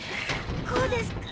こうですか？